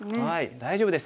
大丈夫です